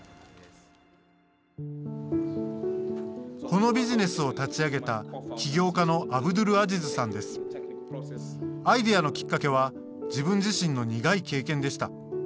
このビジネスを立ち上げたアイデアのきっかけは自分自身の苦い経験でした。